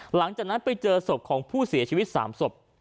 หลังจากนั้นไปเจอศพของผู้เสียชีวิต๓ศพ